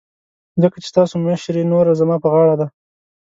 ځکه چې ستاسو مشرې نوره زما په غاړه ده.